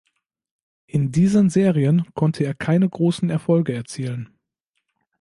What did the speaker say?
In diesen Serien konnte er keine großen Erfolge erzielen.